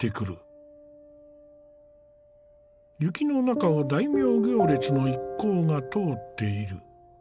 雪の中を大名行列の一行が通っている。